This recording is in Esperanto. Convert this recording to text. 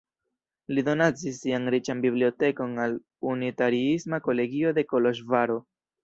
Li donacis sian riĉan bibliotekon al unitariisma kolegio de Koloĵvaro.